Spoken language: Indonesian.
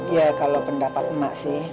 ya kalau pendapat emak sih